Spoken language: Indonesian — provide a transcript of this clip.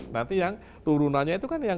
nanti yang turunannya itu kan yang